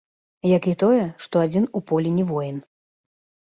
Як і тое, што адзін у полі не воін.